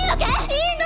いいの！